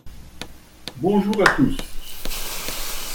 Bonjour à tous.